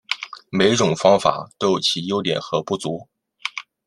每一种方法都有其优点和不足。